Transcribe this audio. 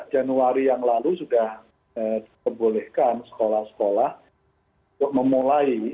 januari yang lalu sudah diperbolehkan sekolah sekolah untuk memulai